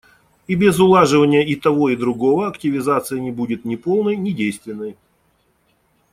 И без улаживания и того и другого активизация не будет ни полной, ни действенной.